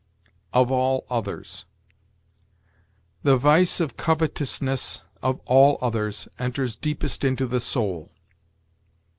OF ALL OTHERS. "The vice of covetousness, of all others, enters deepest into the soul."